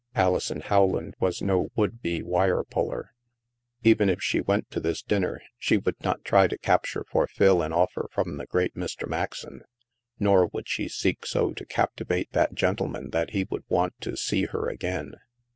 Alison Rowland was no would be wire puller. Even if she went to this dinner, she would not try to capture for Phil an offer from the great Mr. Maxon; nor would she seek so to capti vate that gentleman that he would want to see her again.